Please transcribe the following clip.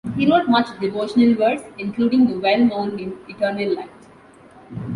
He wrote much devotional verse, including the well-known hymn 'Eternal Light!